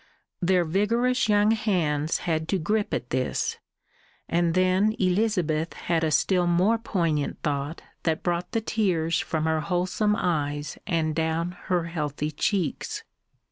Their vigorous young hands had to grip at this, and then Elizabeth had a still more poignant thought that brought the tears from her wholesome eyes and down her healthy cheeks.